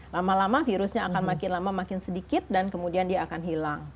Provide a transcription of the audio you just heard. lama lama virusnya akan makin lama makin sedikit dan kemudian dia akan hilang